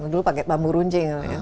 dulu pakai bambu runcing